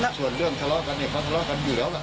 แต่ส่วนเรื่องทะเลาะกันก็ทะเลาะกันอยู่แล้วล่ะ